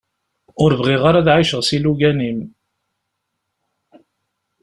Ur bɣiɣ ara ad εiceɣ s ilugan-im